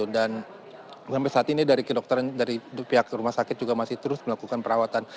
dan saat ini dari dokter dari pihak rumah sakit juga masih terus melakukan perawatan